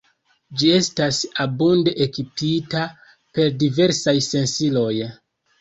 Ĝi estas abunde ekipita per diversaj sensiloj.